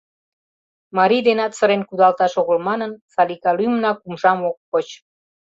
Марий денат сырен кудалташ огыл манын, Салика лӱмынак умшам ок поч.